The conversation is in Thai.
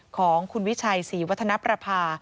ของคุณวิชัยศรีวัฒนประภา